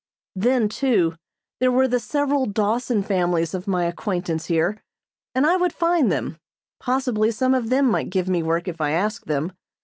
Then, too, there were the several Dawson families of my acquaintance here, and I would find them; possibly some of them might give me work if I asked them.